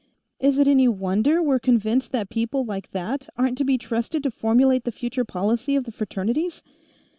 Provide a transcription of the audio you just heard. Is it any wonder we're convinced that people like that aren't to be trusted to formulate the future policy of the Fraternities?"